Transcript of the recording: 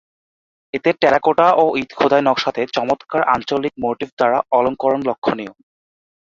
এতে টেরাকোটা ও ইট খোদাই নকশাতে চমৎকার আঞ্চলিক মোটিফ দ্বারা অলঙ্করণ লক্ষণীয়।